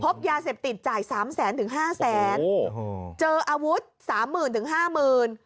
ยาเสพติดจ่ายสามแสนถึงห้าแสนโอ้โหเจออาวุธสามหมื่นถึงห้าหมื่น